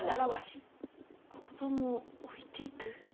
子供を置いていく？